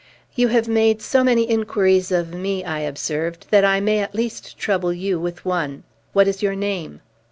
"You have made so many inquiries of me," I observed, "that I may at least trouble you with one. What is your name?"